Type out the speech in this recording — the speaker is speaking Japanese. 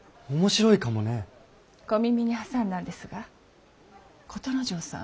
小耳に挟んだんですが琴之丞さん